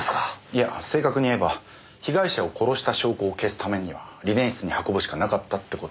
いや正確に言えば被害者を殺した証拠を消すためにはリネン室に運ぶしかなかったって事ですよ。